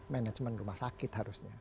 manajemen rumah sakit harusnya